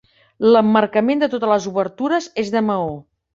L'emmarcament de totes les obertures és de maó.